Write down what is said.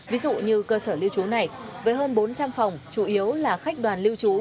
ví dụ như cơ sở lưu trú này với hơn bốn trăm linh phòng chủ yếu là khách đoàn lưu trú